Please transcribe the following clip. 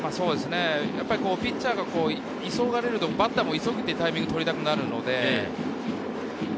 ピッチャーが急がれると、バッターも急いでタイミングを取りたくなるので。